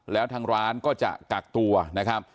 แล้วทางร้านก็จะกักตัวนะครับ